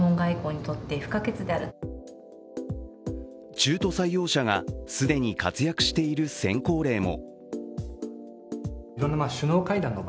中途採用者が既に活躍している先行例も。